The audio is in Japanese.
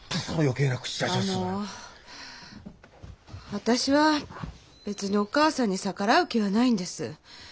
私は別にお義母さんに逆らう気はないんです。